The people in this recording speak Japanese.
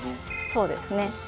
そうですね。